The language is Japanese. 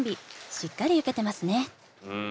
しっかりウケてますね。